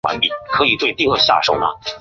格里隆人口变化图示